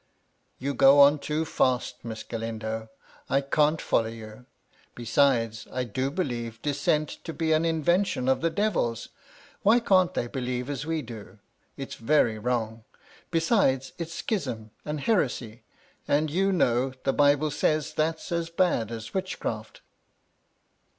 *' You go on too fast. Miss Galindo 1 I can't follow you. Besides, I do believe dissent to be an invention of the Devil's. Why can't they believe as we do? It's very wrong. Resides, it's schism and heresy, and, you know, the Bible says that's as bad as witchcraft."